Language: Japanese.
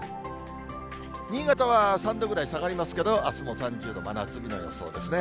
新潟は３度ぐらい下がりますけど、あすも３０度、真夏日の予想ですね。